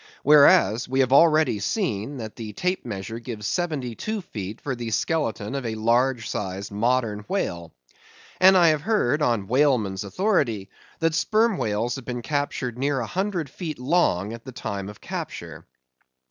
Whereas, we have already seen, that the tape measure gives seventy two feet for the skeleton of a large sized modern whale. And I have heard, on whalemen's authority, that Sperm Whales have been captured near a hundred feet long at the time of capture.